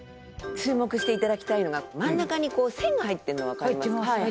注目して頂きたいのが真ん中にこう線が入ってるのわかりますか？